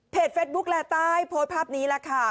เฟสบุ๊คแลใต้โพสต์ภาพนี้แหละค่ะ